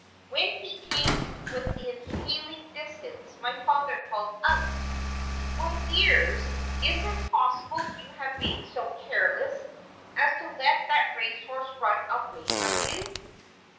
When he came within hailing distance my father called out, "Why, Beers, is it possible you have been so careless as to let that race horse run away from you?"